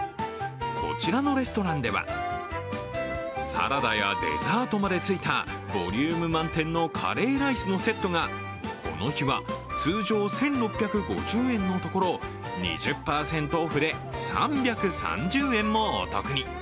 こちらのレストランではサラダやデザートまでついたボリューム満点のカレーライスのセットがこの日は、通常１６５０円のところ２０％オフで３３０円もお得に。